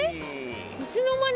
えっいつの間に？